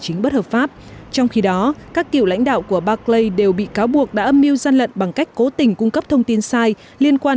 chính bất hợp pháp trong khi đó các cựu lãnh đạo của barclays đều bị cáo buộc đã âm mưu gian lận